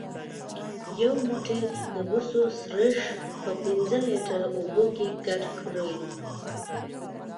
یو موټی د بوسو سريښ په پنځه لیتره اوبو کې ګډ کړئ.